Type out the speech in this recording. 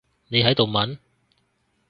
你喺度問？